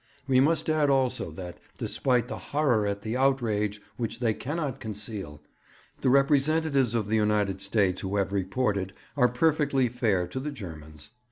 We must add also that, despite the horror at the outrage which they cannot conceal, the representatives of the United States who have reported are perfectly fair to the Germans.